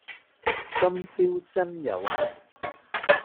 今宵真有幸